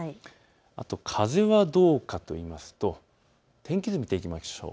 風はどうかといいますと天気図を見ていきましょう。